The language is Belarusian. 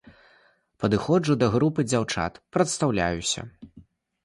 Падыходжу да групы дзяўчат, прадстаўляюся.